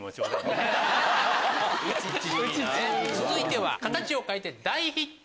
続いては。